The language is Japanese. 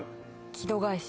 木戸返し。